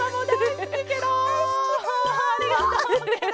ありがとうケロ。